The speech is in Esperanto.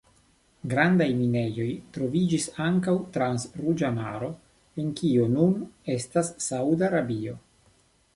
Grandaj minejoj troviĝis ankaŭ trans Ruĝa Maro en kio nun estas Saud-Arabio.